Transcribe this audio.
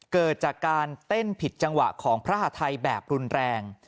เกิดจากการเต้นผิดจังหวะของพระหาทัยแบบรุนแรง